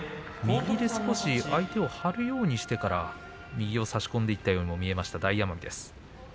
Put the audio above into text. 右で少し相手を張るようにしてから右を差し込んでいったように見えました大奄美です。